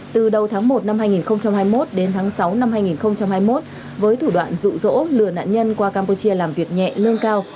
từ đầu tháng một năm hai nghìn hai mươi một đến tháng sáu năm hai nghìn hai mươi một với thủ đoạn rụ rỗ lừa nạn nhân qua campuchia làm việc nhẹ lương cao